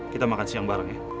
kita makan siang bareng ya